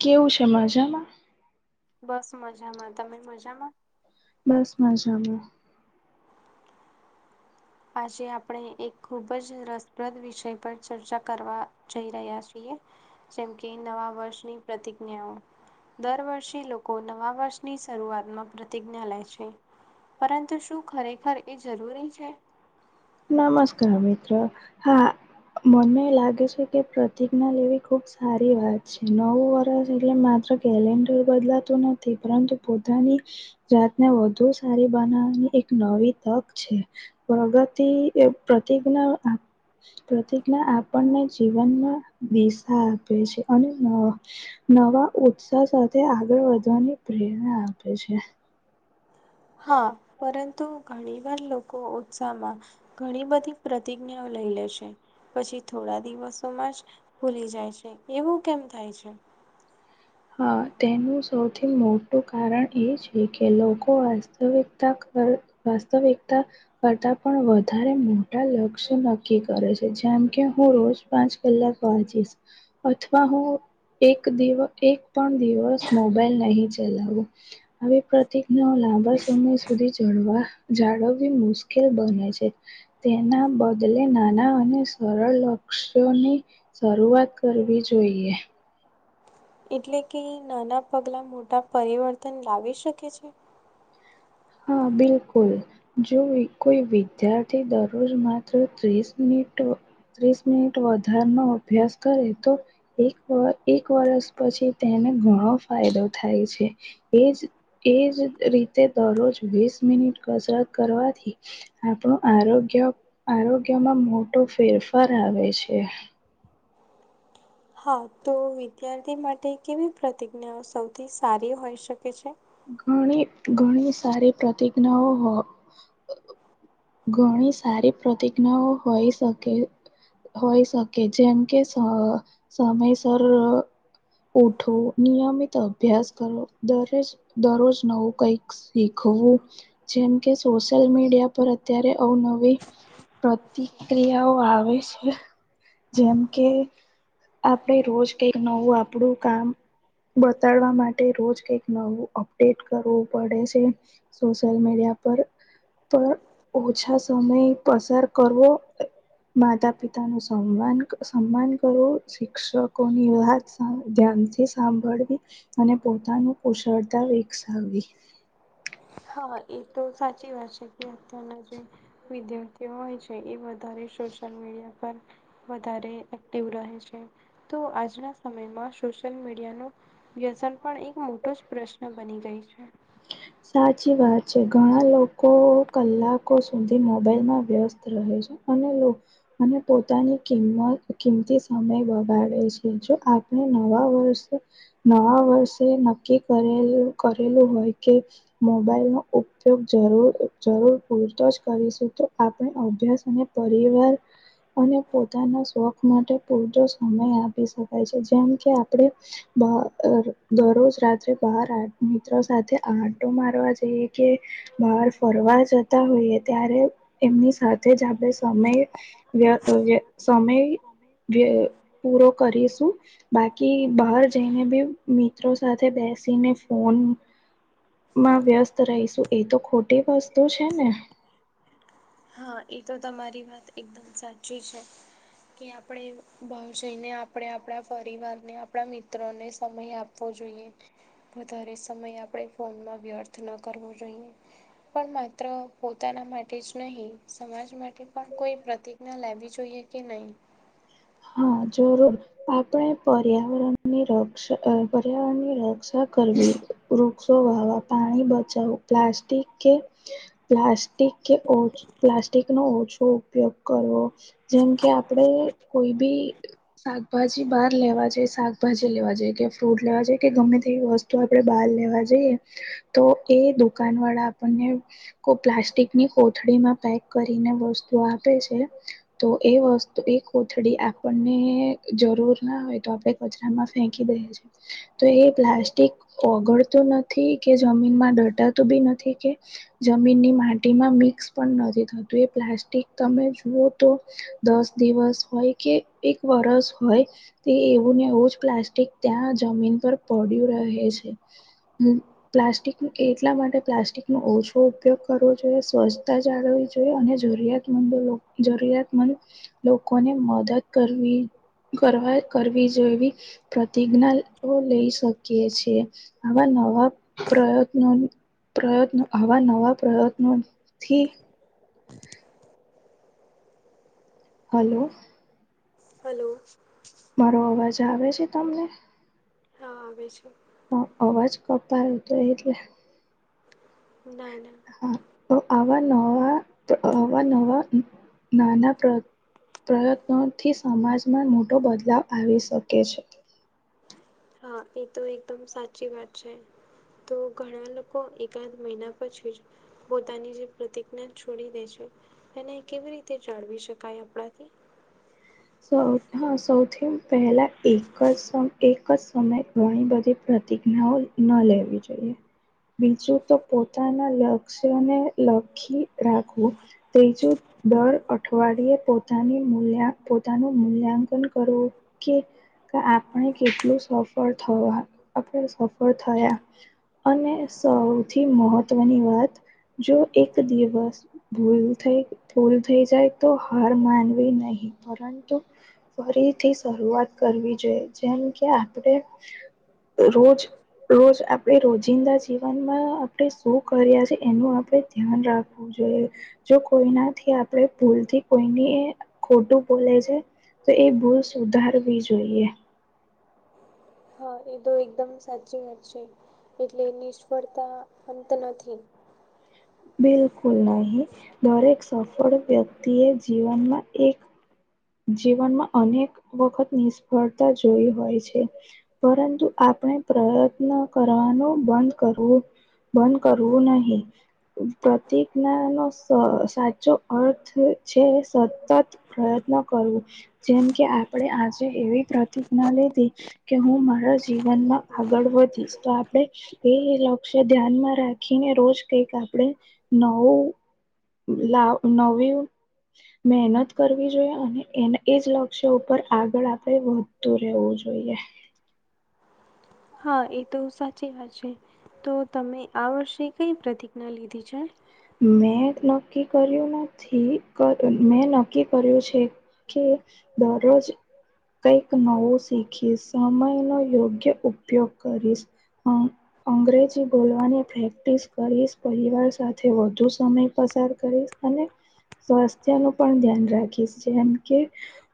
કેવું છે મજામાં? બસ મજામાં તમે મજામાં? બસ મજામાં. [inaudible] આજે આપણે એક ખૂબ જ રસપ્રદ વિષય પર ચર્ચા કરવા જઈ રહ્યા છીએ. જેમ કે નવા વર્ષની પ્રતિજ્ઞાઓ દર વર્ષે લોકો લોકો નવા વર્ષની શરૂઆતમાં પ્રતિજ્ઞા લે છે. પરંતુ શું ખરેખર એ જરૂરી છે. નમસ્કાર મિત્ર હા મને લાગે છે. કે પ્રતિજ્ઞા લેવી ખુબ સારી વાત છે નવું વર્ષ એટલે માત્ર કેલેન્ડર બદલાતું નથી. પરંતુ પોતાની જાતને વધુ સારી બનાવાની એક નવી તક છે પ્રગતિ પ્રતિજ્ઞ પ્રતિજ્ઞા આપણને જીવનમાં દિશા આપે છે અને નવા ઉત્સાહ સાથે આગળ વધવાની પ્રેરણા આપે છે. હા પરંતુ ઘણી વાર લોકો ઉત્સાહમાં ઘણી બધી પ્રતિજ્ઞાઓ લઈ લે છે. પછી થોડા દિવસોમાં જ ભુલી જાય છે એવું કેમ થાય છે? હા તેનું સૌથી મોટું કારણ એ છે કે લોકો વાસ્તવિકતા કર વાસ્તવિકતા કરતા પણ વધારે મોટા લક્ષ્ય નક્કી કરે છે જેમ કે હું રોજ પાંચ કલાક [unintelligible] અથવા હું એક દિવ એક પણ દિવસ મોબાઈલ નહી ચલાવું. આવી પ્રતિજ્ઞાઓ લાંબા સમય સુધી જળવા જાળવવી મુશ્કેલ બને છે. તેના બદલે નાના અને સરળ લક્ષ્યોને શરૂઆત કરવી જોઈએ એટલે કે નાના પગલા મોટા પરિવર્તન લાવી શકે છે. હા બિલકુલ. જો કોઈ વિદ્યાર્થી દરરોજ માત્ર ત્રીસ મિનિટ ત્રીસ મિનિટ વધાર નો અભ્યાસ કરે તો એક એક વરસ પછી તેને ઘણો ફાયદો થાય છે. એજ એજ રીતે દરરોજ વીસ મિનિટ કસરત કરવાથી આપણું આરોગ્ય આરોગ્યમાં મોટો ફેરફાર આવે છે. હા તો વિદ્યાર્થી માટે કેવી પ્રતિજ્ઞાઓ સૌથી સારી હોઈ શકે છે? ઘણી ઘણી સારી પ્રતિજ્ઞાઓ હો ઘણી સારી પ્રતિજ્ઞાઓ હોય શકે હોય શકે જેમ કે સમયસર ઉઠવુ નિયમિત અભ્યાસ કરવો દરેજ દરરોજ નવું કઈક શીખવું જેમ કે સોશિયલ મીડિયા પર અત્યારે અવનવી પ્રતિક્રિયાઓ આવે છે. જેમ કે આપડે રોજ કઈક નવું આપણું કામ બતાડવા માટે રોજ કઈક નવું અપડેટ કરવું પડે છે. સોશિયલ મીડિયા પર પર ઓછા સમય પસાર કરવો માતા પિતા નું સન્માન સન્માન કરવું શિક્ષકો ની વાત ધ્યાનથી સાંભળવી અને પોતાનું કુશળતા વિકસાવવી. હા એ તો સાચી વાત છે કે અત્યારના જે વિદ્યાર્થીઓ હોય છે એ બ સોશલ મીડિયા પર વધારે એક્ટિવ રહે છે તો આજના સમયમાં સોશિયલ મીડિયા નુ વ્યસન પણ એક મોટો જ પ્રશ્ન બની ગઈ છે. [inaudible] સાચી વાત છે ઘણા લોકો કલાકો સુધી મોબાઈલમાં વ્યસ્ત રહે છે. અને અને પોતાની કિંમત કિંમતી સમય વગાડે છે જો નવા વર્ષ નવા વર્ષે નક્કી કરેલ કરેલું હોય કે મોબાઈલ નો ઉપયોગ જરૂર જરૂર પૂરતો જ કરીશું તો આપણે અભ્યાસ અને પરિવાર અને પોતાના શોખ માટે પૂરતો સમય આપી શકાય છે જેમ કે આપણે દરરોજ રાત્રે બાર મિત્રો સાથે આટો મારવા જઈએ કે બાર ફરવા જતા હોઈએ ત્યારે એમની સાથે જ આપણે સમય વ વ સમય પૂરો કરીશું બાકી બહાર જેને બી મિત્રો સાથે બેસીને ફોન માં વ્યસ્ત રહીશું એ તો ખોટી વસ્તુ છે ને હા એ તો તમારી વાત એકદમ સાચી છે. કે આપણે ભાવ જઈને આપણે આપણા પરિવાર ને આપણા મિત્રોને સમય આપ વધારે સમય આપણે ફોનમાં વ્યર્થ ન કરવો જોઈએ. પણ માત્ર પોતાના માટે જ નહીં સમાજ માટે પણ કોઈ પ્રતિજ્ઞા લેવી જોઈએ કે નહી? હા જરૂર. આપણે પર્યાવરણની રક્ષા પર્યાવરણની રક્ષા કરવી. વૃક્ષો વાવા પાણી બચાવો પ્લાસ્ટિક કે પ્લાસ્ટિક કે પ્લાસ્ટિક નો ઓછો ઉપયોગ કરવો. જેમ કે આપડે કોઈ બી શાકભાજી બહાર લેવા જઈ શાકભાજી લેવા જઈ કે ફ્રૂટ લેવા જાય કે ગમે તેવી વસ્તુ તો આપણેે બહાર લેવા જઈએ તો એ દુકાન વાળા આપણને કો પ્લાસ્ટિકની કોથળીમાં પેક કરીને વસ્તુ આપે છે. તો એ વસ્તુ એક કોથળી આપણને જરૂર ના હોય તો આપડે કચરામાં ફેંકી દઈએ છે. તો એ પ્લાસ્ટિક ઓગડતું નથી કે જમીન માં ડટાતું બી નથી કે જમીનની માટીમાં મિક્સ પણ નથી થતું એ પ્લાસ્ટિક તમે જુઓ તો દસ દિવસ હોય કે એક વરષ હોય તે એવું ને એવું જ પ્લાસ્ટિક ત્યાં જમીન પર પડ્યું રહે છે. પ્લાસ્ટિક એટલા માટે પ્લાસ્ટિક ન ઓછો ઉપયોગ કરવો જોઈએ સ્વચ્છતા જાળવવી જોઈએ અને જરૂરિયાત જરૂરિયાતમંદ લોકોને મદદ કરવી કરવા કરવી જોઈવી. પ્રતિજ્ઞા લઈ શકીએ છેએ આવા નવા પ્રયત્નો પ્રયત્નો આવા નવા પ્રયત્નો થી હલો હલો મારો અવાજ આવે છે તમને? હા આવે છે. હ અવાજ કપાય હતો એટલે ના ના હા આવા નવા નવા નાના પ્રયત્નોથી સમાજમાં મોટો બદલાવ આવી શકે છે. હા એ તો એકદમ સાચી વાત છે તો ઘણા લોકો એકાદ મહિના પછી જ પોતાની જે પ્રતિજ્ઞા છોડી દે છે એને કેવી રીતે જાળવી શકાય આપણાથી? સ હા સૌથી પહેલા એક જ એક જ સમય ઘણી બધી પ્રતિજ્ઞાઓ ન લેવી જોઈએ. બીજું તો પોતાના લક્ષ્યને લખી રાખવું. તે્રીજું દર અઠવાડિયે પોતાની મૂલ્યા પોતાનું મૂલ્યાંકન કરવો કે કે આપણે કેટલું સફળ થવા આપણે સફળ થયા? અને સૌથી મહત્વની વાત જો એક દિવસ ભૂલ થઈ ભૂલ થઈ જાય તો હાર માનવી નહી. પરંતુ ફરીથી શરૂઆત કરવી જોઈએ જેમ કે આપણે રોજ રોજ આપડે રોજિંદા જીવનમાં આપણે શું કર્યા છે એનું આપડે ધ્યાન રાખવું. જોઈ જો કોઈનાથી આપણે ભૂલથી કોઈની ખોટું બોલે છે તો એ ભૂલ સુધારવી જોઈએ. હા એ તો એકદમ સાચી વાત છે એટલે નિષ્ફળતા અંત નથી બિલકુલ નહી દરેક સફળ વ્યક્તિ એ જીવનમાં એક જીવનમાં અનેક વખત નિષ્ફળતા જોઈ હોય છે. પરંતુ આપણે પ્રયત્ન કરવાનું બંધ કરવું બંધ કરવું નહી. પ્રતિજ્ઞા નો સાચો અર્થ છે સતત પ્રયત્ન કરવો જેમ કે આપણે આજે એવી પ્રતિજ્ઞા લીધી. કે હું મારા જીવનમાં આગળ વધીશ તો આપણેે એ લક્ષ્ય ધ્યાનમાં રાખીને રોજ કઈક આપણે નવું લ નવી મહેનત કરવી જોઈએ અને એને એજ લક્ષ્ય ઉપર આગળ આપણે વધતું રહેવું જોઈએ હા એ તો સાચી વાત છે તો તમે આ વર્ષે કઈ પ્રતિજ્ઞા લીધી છે? મેં નક્કી કર્યું નથી મેં નક્કી કર્યું છે. કે દરરોજ કંઈક નવું શીખીશ સમય નો યોગ્ય ઉપયોગ કરીશ અ અંગ્રેજી બોલવાની પ્રેક્ટિસ કરીશ પરિવાર સાથે વધુ સમય પસાર કરીશ અને સ્વાસ્થ્ય નું પણ ધ્યાન રાખી છે એમ કે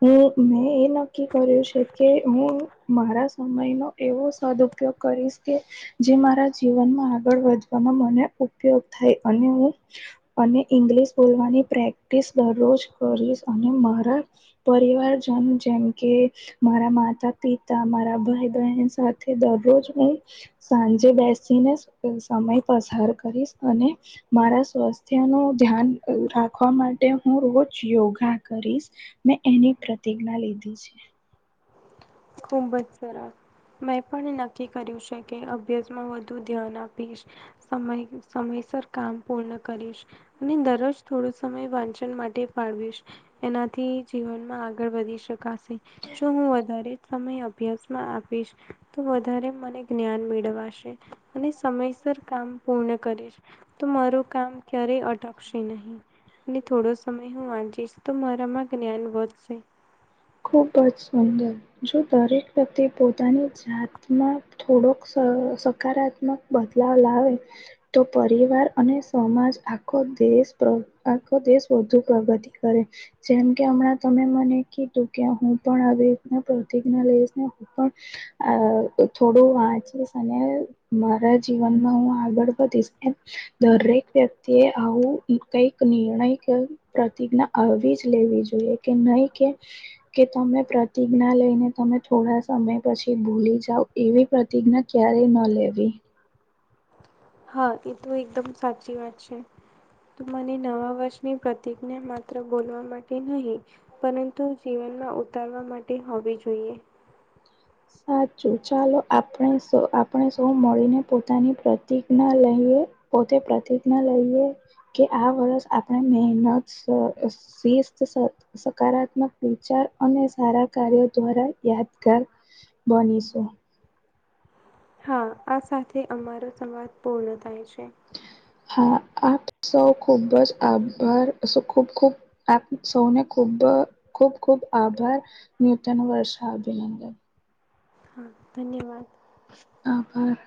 હું, મેં એ નક્કી કર્યું છે કે હું મારા સમયનો એવો સદઉપયોગ કરીશ કે જે મારા જીવનમાં આગળ વધવામાં મને ઉપયોગ થાય અને હું અને ઇંગ્લિશ બોલવાની પ્રેક્ટિસ દરરોજ કરીશ અને મારા પરિવારજન જેમ કે મારા માતા પિતા મારા ભાઈ બહેન સાથે દરરોજ હું સાંજે બેસીને સમય પસાર કરીશ અને મારા સ્વાસ્થ્ય નું ધ્યાન રાખવા માટે હું રોજ યોગા કરીશ. મેં એની પ્રતિજ્ઞા લીધી છે. ખુબ જ સરસ. મેં પણ નક્કી કર્યું છે કે અભ્યાસમાં વધુ ધ્યાન આપીશ. સમય સમયસર કામ પૂર્ણ કરીશ. અને દરરોજ થોડો સમય વાંચન માટે ફાળવીશ. એનાથી જીવનમાં આગળ વધી શકાશે જો હું વધારે સમય અભ્યાસમાં આપીશ તો વધારે મને જ્ઞાન મેડવાશે અને સમયસર કામ પૂર્ણ કરીશ તો મારું કામ ક્યારેય અટકશે નહીં. અને થોડો સમય હું વાંચીશ તો મારામાં જ્ઞાન વધશે. ખૂબ જ સુંદર જો દરેક વ્યક્તિ પોતાની જાતમાં થોડોક સ સકારાત્મક બદલાવ લાવે. તો પરિવાર અને સમાજ આખો દેશ પ્ર આખો દેશ વધુ પ્રગતિ કરે. જેમ કે હમણાં તમે મને કીધું કે હું પણ આવી રીતના પ્રતિજ્ઞા લઈશને હું પણ અ થોડું વાંચીશ અને મારા જીવનમાં હું આગળ વધીશ એમ દરેક વ્યક્તિએ આવું કઈક નિર્ણય કે પ્રતિજ્ઞા આવી જ લેવી જોઈએ કે નહી કે કે તમે પ્રતિજ્ઞા લઈને તમે થોડા સમય પછી ભૂલી જાવ એવી પ્રતિજ્ઞા ક્યારે ન લેવી. હા એ તો એકદમ સાચી વાત છે. તો મને નવા વર્ષની પ્રતિજ્ઞા માત્ર બોલવા માટે નહી પરંતુ જીવનમાં ઉતારવા માટે હોવી જોઈએ. સાચું ચાલો આપણે સૌ આપણે સૌ મળીને પોતાની પ્રતિજ્ઞા લઈએ. પોતે પ્રતિજ્ઞા લઈએ. કે આ વર્ષ આપણે મહેનત શ અ શિસ્ત સાથે સકારાત્મક વિચાર અને સારા કાર્યો દ્વારા યાદગાર બનીશું. હા આ સાથે અમારો સંવાદ પૂર્ણ થાય છે. હા આપ સૌ ખુબ જ આભાર ખૂબ ખૂબ આપ સૌને ખૂબ ખૂબ ખૂબ આભાર નૂતન વર્ષા અભિનંદન. હા, ધન્યવાદ. આભાર.